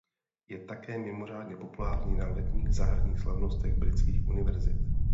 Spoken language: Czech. Je také mimořádně populární na letních zahradních slavnostech britských univerzit.